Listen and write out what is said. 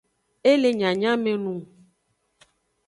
E le nyanyamenung.